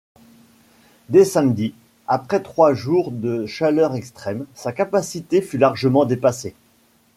Dès samedi, après trois jours de chaleur extrême, sa capacité fut largement dépassée.